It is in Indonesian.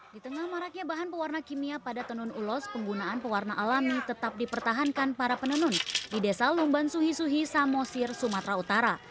di tengah maraknya bahan pewarna kimia pada tenun ulos penggunaan pewarna alami tetap dipertahankan para penenun di desa lumban suhi suhi samosir sumatera utara